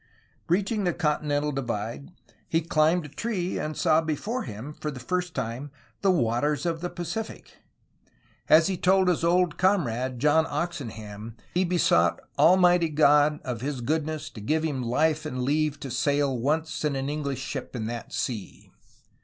Reaching the continental divide he cHmbed a tree and saw before him, for the first time, the waters of the Pacific. As he told his old comrade, John Oxenham, he "besought Almighty God of His goodness to give him life and leave to sail once in an English ship in that sea.''